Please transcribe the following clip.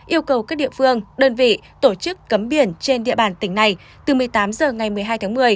yêu cầu các địa phương đơn vị tổ chức cấm biển trên địa bàn tỉnh này từ một mươi tám h ngày một mươi hai tháng một mươi